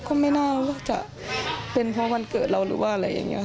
ก็ไม่น่าว่าจะเป็นเพราะวันเกิดเราหรือว่าอะไรอย่างนี้